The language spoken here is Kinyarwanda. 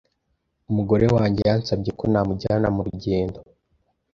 Umugore wanjye yansabye ko namujyana mu rugendo.